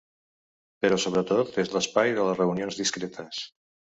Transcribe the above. Però sobretot és l’espai de les reunions discretes.